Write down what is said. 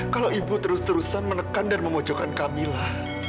kalau ibu terus menekan dan memojokkan kamila